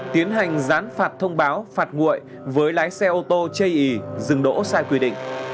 tiến hành gián phạt thông báo phạt nguội với lái xe ô tô chây ý dừng đỗ sai quy định